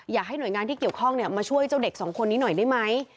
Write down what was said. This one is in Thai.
อยากให้หน่วยงานที่เกี่ยวข้องมาช่วยเจ้าเด็กสองคนนี้หน่อยได้ไหม